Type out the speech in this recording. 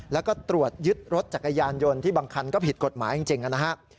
แล้วก็ตรวจยึดรถจักรยานยนต์ที่บางคันก็ผิดกฎหมายจริงนะครับ